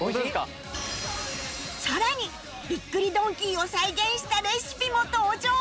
さらにびっくりドンキーを再現したレシピも登場